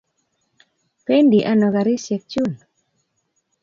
Pendi ano karisyek chun?